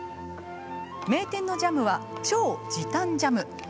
名店のジャムは超時短ジャム。